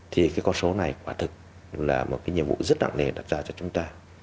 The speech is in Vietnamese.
thì con số này quả thực là một nhiệm vụ rất đặng nề đặt ra cho chúng ta